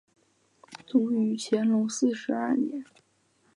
卒于乾隆四十二年。